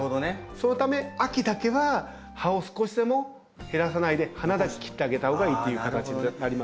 そのため秋だけは葉を少しでも減らさないで花だけ切ってあげたほうがいいっていう形になります。